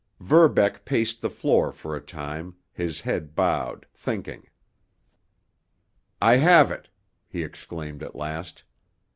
Verbeck paced the floor for a time, his head bowed, thinking. "I have it!" he exclaimed at last.